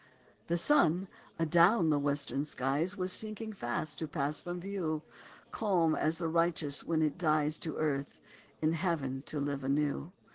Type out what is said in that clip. The sun, adown the western skies, Was sinking fast to pass from view, Calm as the righteous when he dies To earth, in heaven to live anew.